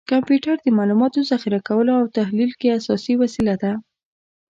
کمپیوټر د معلوماتو ذخیره کولو او تحلیل کې اساسي وسیله ده.